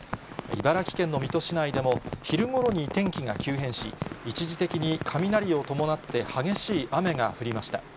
茨城県の水戸市内でも、昼ごろに天気が急変し、一時的に雷を伴って激しい雨が降りました。